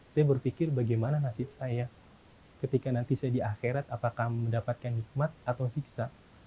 saya berpikir bagaimana nasib saya ketika nanti saya di akhirat apakah mendapatkan hikmat atau siksa